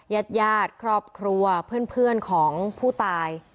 ญาติญาติครอบครัวเพื่อนของผู้ตาย